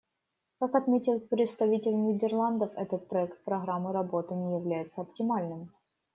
Как отметил представитель Нидерландов, этот проект программы работы не является оптимальным.